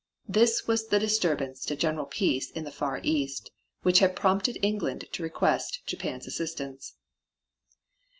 This was the disturbance to general peace in the Far East, which had prompted England to request Japan's assistance.